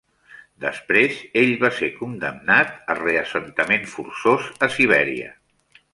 Després ell va ser condemnat a reassentament forçós a Siberia.